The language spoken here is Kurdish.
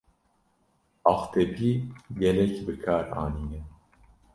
Aqtepî gelek bi kar anîne.